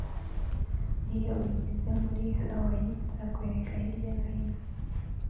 Iyo ugeze muri Hawaii nzakwereka hirya no hino